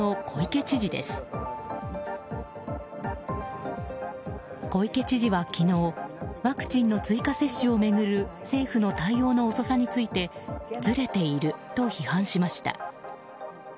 小池知事は昨日ワクチンの追加接種を巡る政府の対応の遅さについてずれていると批判しました。